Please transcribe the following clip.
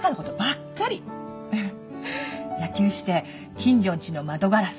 野球して近所んちの窓ガラス